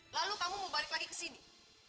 lalu kamu mau balik lagi ke sini